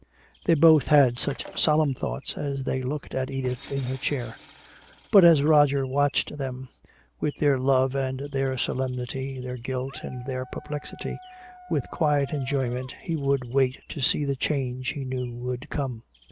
They both had such solemn thoughts as they looked at Edith in her chair. But as Roger watched them, with their love and their solemnity, their guilt and their perplexity, with quiet enjoyment he would wait to see the change he knew would come.